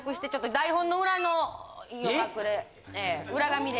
台本の裏の余白で裏紙で。